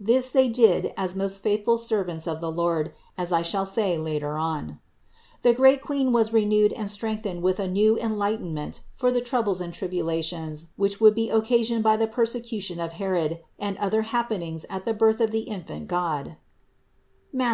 This they did as most faithful servants of the Lord, as I shall say later on (Nos. 456, 489, 616, 622, 631, 634). The great Queen was renewed and strengthened with new enlightenment for the troubles and tribulations THE INCARNATION 377 which would be occasioned by the persecution of Herod and other happenings at the birth of the infant God (Matth.